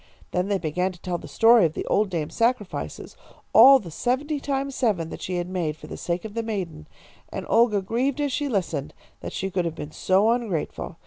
"Then they began to tell the story of the old dame's sacrifices, all the seventy times seven that she had made for the sake of the maiden, and Olga grieved as she listened, that she could have been so ungrateful.